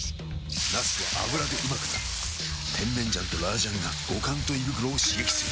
なすは油でうまくなる甜麺醤と辣醤が五感と胃袋を刺激する！